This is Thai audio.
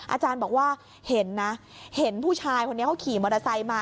อาจารย์บอกว่าเห็นนะเห็นผู้ชายคนนี้เขาขี่มอเตอร์ไซค์มา